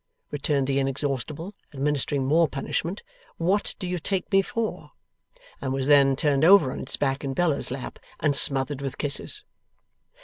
returned the Inexhaustible, administering more punishment, 'what do you take me for?' And was then turned over on its back in Bella's lap, and smothered with kisses.